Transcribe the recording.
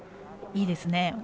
いいですね。